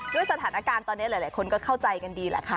ด้วยสถานการณ์ตอนนี้หลายคนก็เข้าใจกันดีแหละค่ะ